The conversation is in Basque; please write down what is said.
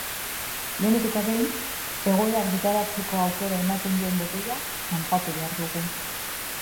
Lehenik eta behin egoera argitaratzeko aukera ematen duen botoia zanpatu behar dugu.